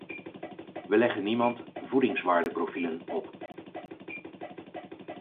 We leggen niemand voedingswaardeprofielen op.